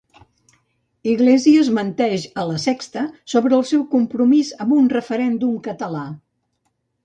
Iglesias menteix a La Sexta sobre el seu compromís amb un referèndum català.